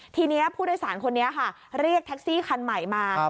ทีนี้ผู้โดยสารคนนี้ค่ะเรียกแท็กซี่คันใหม่มา